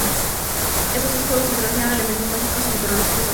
Estos dos juegos introdujeron elementos mágicos y meteorológicos a los juegos.